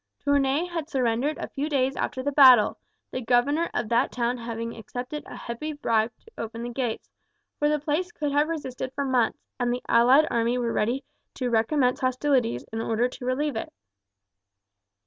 Tournay had surrendered a few days after the battle, the governor of that town having accepted a heavy bribe to open the gates, for the place could have resisted for months, and the allied army were ready to recommence hostilities in order to relieve it.